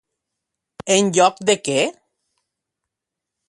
En lloc de què?